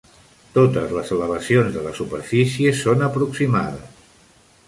Totes les elevacions de la superfície són aproximades.